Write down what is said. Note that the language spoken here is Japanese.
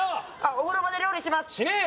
お風呂場で料理しますしねえよ！